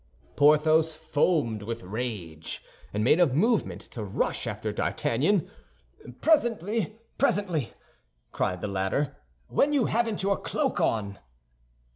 Porthos foamed with rage, and made a movement to rush after D'Artagnan. "Presently, presently," cried the latter, "when you haven't your cloak on."